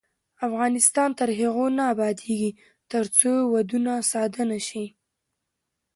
افغانستان تر هغو نه ابادیږي، ترڅو ودونه ساده نشي.